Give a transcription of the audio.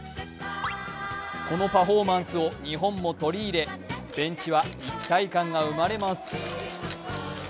このパフォーマンスを日本も取り入れ、ベンチは一体感が生まれます。